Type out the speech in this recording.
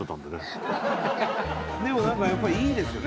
でも何かやっぱりいいですよね。